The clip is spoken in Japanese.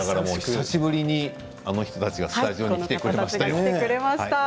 久しぶりにあの人たちがスタジオに来てくれましたよ。